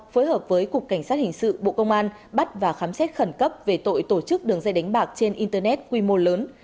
phối hợp với cục cảnh sát hình sự bộ công an bắt và khám xét khẩn cấp về tội tổ chức đường dây đánh bạc trên internet quy mô lớn